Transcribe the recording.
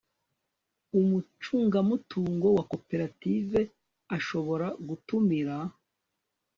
umucungamutungo wa koperative ashobora gutumirwa